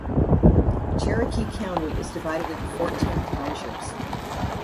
Cherokee County is divided into fourteen townships.